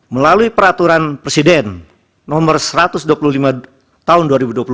melalui peraturan presiden nomor satu ratus dua puluh lima tahun dua ribu dua puluh satu